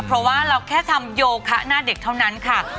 เพราะว่าเราแค่ทำโยคะหน้าเด็กเท่านั้นค่ะ